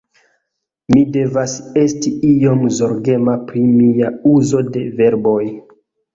Mi devas esti iom zorgema pri mia uzo de verboj